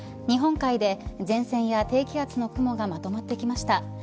日本海で前線や低気圧の雲がまとまってきました。